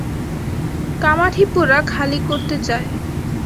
কামাঠিপুরা খালি করতে চায়।